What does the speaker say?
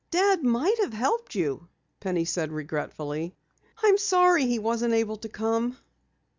"Dad might have helped you," Penny said regretfully. "I'm sorry he wasn't able to come."